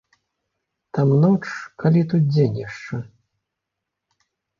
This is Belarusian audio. Там ноч калі, тут дзень яшчэ.